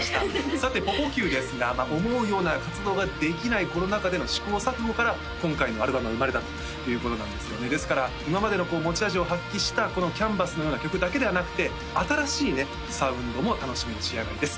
さてｐｏｐｏｑですが思うような活動ができないコロナ禍での試行錯誤から今回のアルバムが生まれたということなんですねですから今までの持ち味を発揮したこの「ｃａｎｖａｓ」のような曲だけではなくて新しいねサウンドも楽しめる仕上がりです